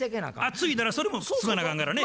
継いだらそれも継がなあかんからね。